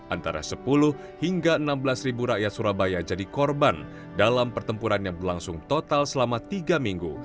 antara sepuluh hingga enam belas ribu rakyat surabaya jadi korban dalam pertempuran yang berlangsung total selama tiga minggu